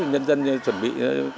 nhân dân chuẩn bị